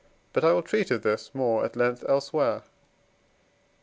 But I will treat of this more at length elsewhere.